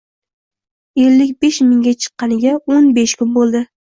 Ellik besh mingga chiqqaniga o`n besh kun bo`ldi